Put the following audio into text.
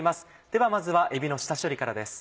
ではまずはえびの下処理からです。